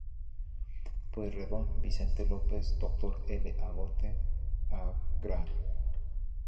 Pueyrredon, Vicente Lopez, Dr. L. Agote, Av Gral.